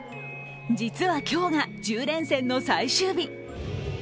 実は今日が１０連戦の最終日。